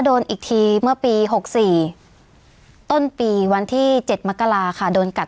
โดนอีกทีเมื่อปี๖๔ต้นปีวันที่๗มกราค่ะโดนกัด